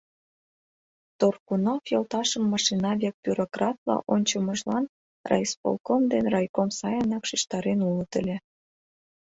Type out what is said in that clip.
Торкунов йолташым машина век бюрократла ончымыжлан райисполком ден райком сайынак шижтарен улыт ыле.